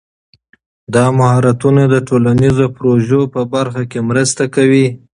دا مهارتونه د ټولنیزو پروژو په برخه کې مرسته کوي.